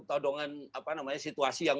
todongan apa namanya situasi yang